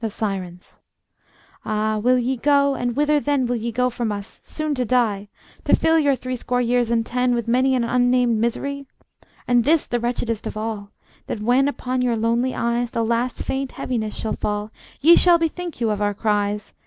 The Sirens: Ah, will ye go, and whither then Will ye go from us, soon to die, To fill your threescore years and ten With many an unnamed misery? And this the wretchedest of all, That when upon your lonely eyes The last faint heaviness shall fall, Ye shall bethink you of our cries.